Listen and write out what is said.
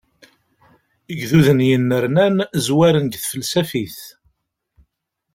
Igduden yennernan zwaren deg tfelsafit.